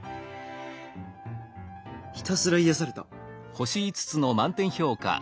「ひたすら癒された！」。